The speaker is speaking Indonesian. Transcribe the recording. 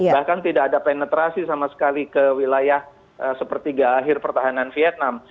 bahkan tidak ada penetrasi sama sekali ke wilayah sepertiga akhir pertahanan vietnam